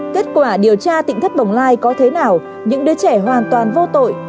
kết quả điều tra tỉnh thất bồng lai có thế nào những đứa trẻ hoàn toàn vô tội